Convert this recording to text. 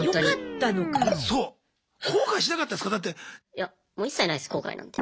いやもう一切ないです後悔なんて。